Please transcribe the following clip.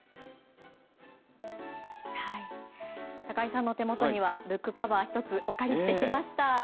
高井さんの手元にはブックカバー、１つお借りしてきました。